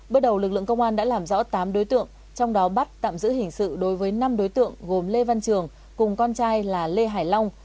bước đầu lực lượng công an đã làm rõ tám đối tượng trong đó bắt tạm giữ hình sự đối với năm đối tượng gồm lê văn trường cùng con trai là lê hải long